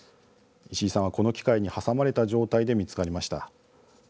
石井さんはこの機械に挟まれた状態で見つかりました。